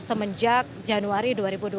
semenjak januari dua ribu dua puluh